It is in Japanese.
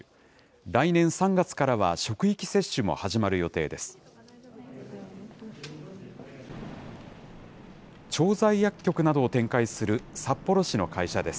来年３月からは職域接種も始まる予定です。